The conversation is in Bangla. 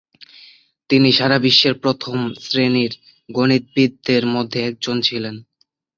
তিনি সারা বিশ্বের প্রথম শ্রেনীর গণিতবিদদের মধ্যে একজন ছিলেন।